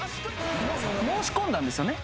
申し込んだんですよね？